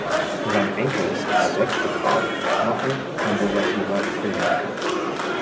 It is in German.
Sein Enkel, der sechste Graf, war ein konservativer Politiker.